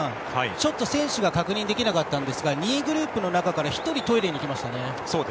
ちょっと選手は確認できなかったんですが２位グループの中から１人、トイレに行きましたね。